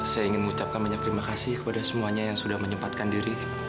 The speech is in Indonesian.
saya ingin mengucapkan banyak terima kasih kepada semuanya yang sudah menyempatkan diri